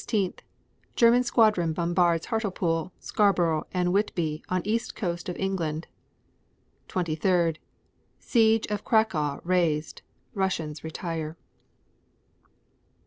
German squadron bombards Hartlepool, Scarborough and Whitby on east coast of England. 23. Siege of Cracow raised. Russians retire.